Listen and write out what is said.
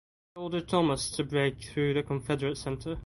He ordered Thomas to break through the Confederate center.